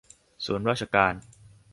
ศูนย์ราชการ